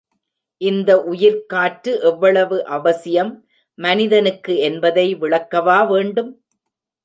இந்த உயிர்க்காற்று எவ்வளவு அவசியம் மனிதனுக்கு என்பதை விளக்கவா வேண்டும்.